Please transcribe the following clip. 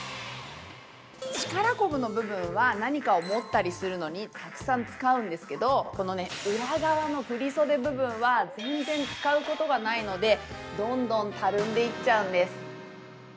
力こぶの部分は何かを持ったりするのにたくさん使うんですけどこの裏側の振り袖部分は全然使うことがないのでどんどんたるんでいっちゃうんです。